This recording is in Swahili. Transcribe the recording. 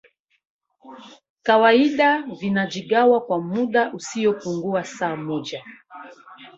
kawaida vinajigawa kwa muda usiopungua saa moja